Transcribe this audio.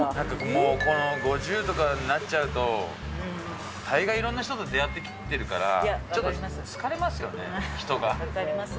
もうこの、５０とかになっちゃうと、大概いろんな人と出会ってきてるから、ちょっと疲れますよね、分かります。